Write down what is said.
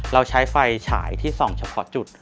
เราใช้ไฟฉายที่ส่องเฉพาะจุด